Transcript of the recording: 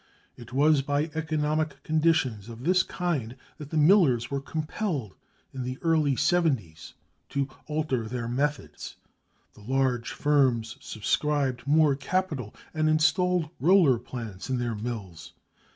It was by economic conditions of this kind that the millers were compelled in the early seventies to alter their methods. The large firms subscribed more capital and installed roller plant in their mills.